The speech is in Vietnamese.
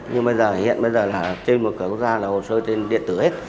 nhưng bây giờ hiện bây giờ là trên một cửa quốc gia là hồ sơ trên điện tử hết